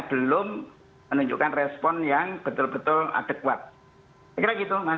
belum menunjukkan respon yang betul betul adekuat